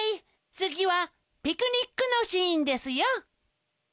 つぎはピクニックのシーンですよ！